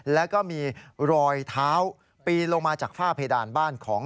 แล้วก็มีรอยเท้าปีนลงมาจากฝ้าเพดานบ้านของ